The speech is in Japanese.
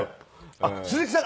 あっ鈴木さん